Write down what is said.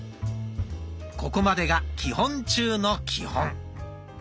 ここまでが基本中の基本。